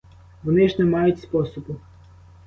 Вони ж не мають способу.